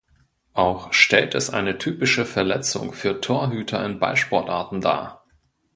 Auch stellt es eine typische Verletzung für Torhüter in Ballsportarten dar.